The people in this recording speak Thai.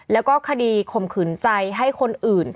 แล้วก็คดีข่มขืนใจให้คนอื่น